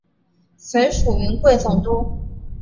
随署云贵总督。